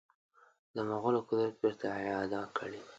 د مغولو قدرت بیرته اعاده کړي.